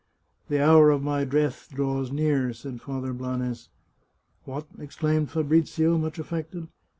" The hour of my death draws near," said Father Blanes. " What !" exclaimed Fabrizio, much affected.